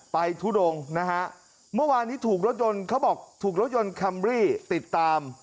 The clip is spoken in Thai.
ทุดงนะฮะเมื่อวานนี้ถูกรถยนต์เขาบอกถูกรถยนต์คัมรี่ติดตาม